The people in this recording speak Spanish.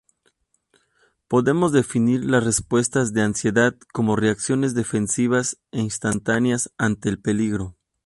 Podemos definir las respuestas de ansiedad como reacciones defensivas e instantáneas ante el peligro.